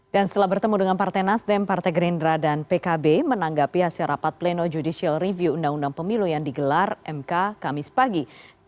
dan setelah bertemu dengan partai nasdem partai gerindra dan pkb menanggapi hasil rapat pleno judicial review undang undang pemilu yang digelar mk kamis pagi